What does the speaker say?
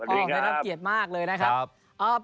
ไม่น่าเกลียดมากเลยนะครับ